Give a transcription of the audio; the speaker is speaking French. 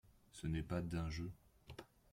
Ce n'est pas d'un jeu.